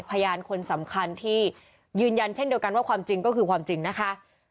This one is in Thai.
พยานคนสำคัญที่ยืนยันเช่นเดียวกันว่าความจริงก็คือความจริงนะคะ